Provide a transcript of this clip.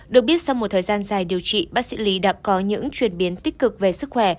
được biết sau một thời gian dài điều trị bác sĩ lý đã có những chuyển biến tích cực về sức khỏe